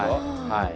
はい。